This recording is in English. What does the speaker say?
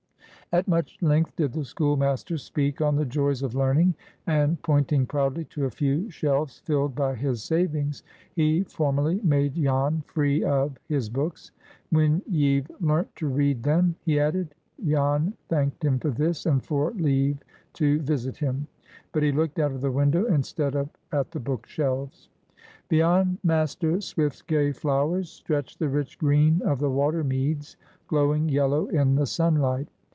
At much length did the schoolmaster speak on the joys of learning, and, pointing proudly to a few shelves filled by his savings, he formally made Jan "free of" his books. "When ye've learnt to read them," he added. Jan thanked him for this, and for leave to visit him. But he looked out of the window instead of at the book shelves. Beyond Master Swift's gay flowers stretched the rich green of the water meads, glowing yellow in the sunlight.